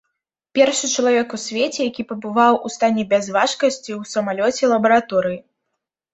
Першы чалавек у свеце, які пабываў у стане бязважкасці ў самалёце-лабараторыі.